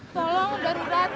tolong udah rugan